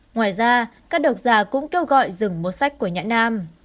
ngoài ra các độc giả cũng kêu gọi dừng mua sách của nhãn nam